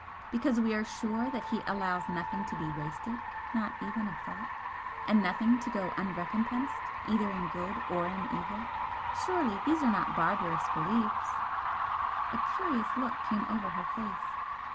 because we are sure that He allows nothing to be wasted, not even a thought? and nothing to go unrecompensed, either in good or in evil? Surely these are not barbarous beliefs?" A curious look came over her face.